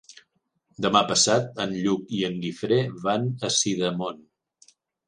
Demà passat en Lluc i en Guifré van a Sidamon.